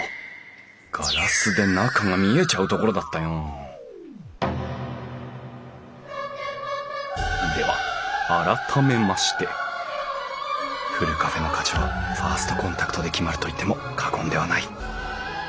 ガラスで中が見えちゃうところだったよでは改めましてふるカフェの価値はファーストコンタクトで決まると言っても過言ではない。